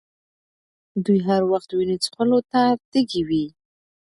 دوی هر وخت وینو څښلو ته تږي وي.